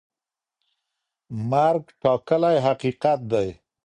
مرګ ټاکلی حقیقت دی.